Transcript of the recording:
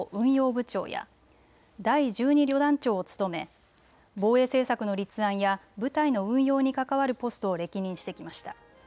部長や第１２旅団長を務め、防衛政策の立案や部隊の運用に関わるポストを歴任してきました。